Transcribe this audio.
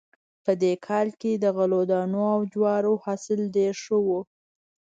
په دې کال کې د غلو دانو او جوارو حاصل ډېر ښه و